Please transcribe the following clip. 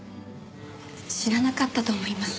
知らなかったと思います。